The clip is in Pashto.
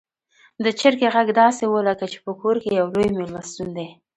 د چرګې غږ داسې و لکه چې په کور کې يو لوی میلمستون دی.